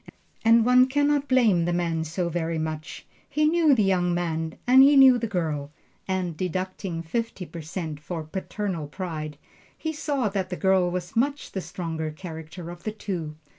And one can not blame the man so very much he knew the young man and he knew the girl; and deducting fifty per cent for paternal pride, he saw that the girl was much the stronger character of the two.